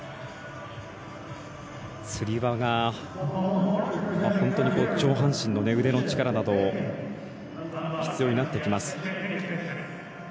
つり輪が上半身の腕の力だと必要になってきます。